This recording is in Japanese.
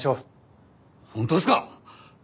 本当ですか！